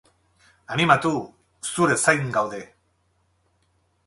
Animatu, zure zain gaude!